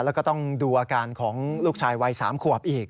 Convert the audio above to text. แล้วก็ต้องดูอาการของลูกชายวัย๓ขวบอีก